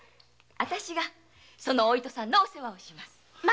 私がそのお糸さんのお世話をします。